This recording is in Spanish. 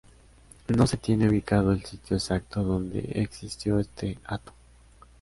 No se tiene ubicado el sitio exacto donde existió este hato.